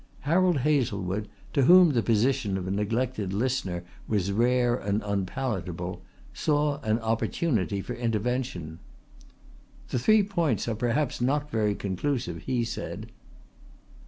Harold Hazlewood, to whom the position of a neglected listener was rare and unpalatable, saw an opportunity for intervention. "The three points are perhaps not very conclusive," he said.